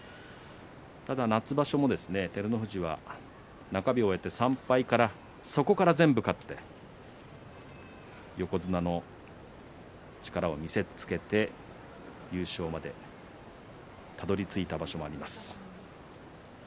夏場所の照ノ富士は中日を終えて３敗からそこから全部勝って横綱の力を見せつけて優勝までたどりついた場所もあります。